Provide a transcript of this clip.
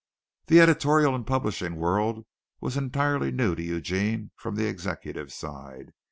The editorial and publishing world was entirely new to Eugene from the executive side.